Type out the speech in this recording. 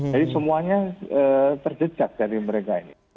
jadi semuanya terjejak dari mereka ini